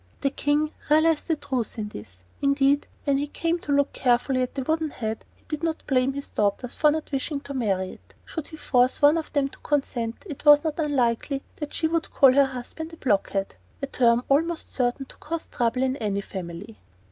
The King realized the truth of this. Indeed, when he came to look carefully at the wooden head, he did not blame his daughters for not wishing to marry it. Should he force one of them to consent, it was not unlikely she would call her husband a blockhead a term almost certain to cause trouble in any family.